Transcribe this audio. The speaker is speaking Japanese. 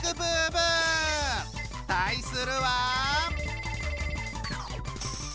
対するは。